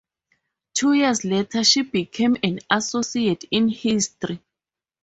Two years later she became an associate in History.